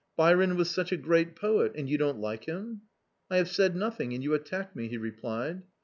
"Byron was such a great poet — and you don't like him !"" I have said nothing and you attack me," he replied.